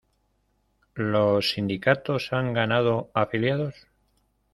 ¿Los sindicatos han ganado afiliados?